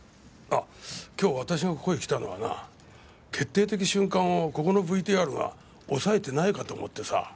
あ今日私がここへ来たのはな決定的瞬間をここのＶＴＲが押さえてないかと思ってさ。